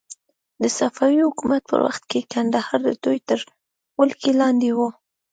د صفوي حکومت په وخت کې کندهار د دوی تر ولکې لاندې و.